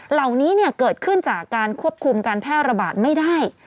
เหล่านี้เกิดขึ้นจากการควบคุมการแพร่ระบาดไม่ได้